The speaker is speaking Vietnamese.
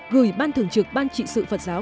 gửi ban thưởng trực ban trị sự phật giáo